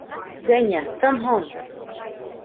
Zhenya, come on!